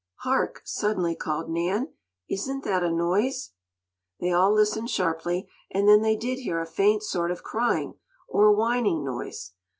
"Hark!" suddenly called Nan. "Isn't that a noise?" They all listened sharply, and then they did hear a faint sort of crying, or whining, noise.